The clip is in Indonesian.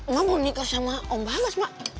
mak mau nikah sama om bagas mak